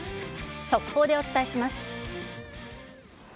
速報でお伝えします。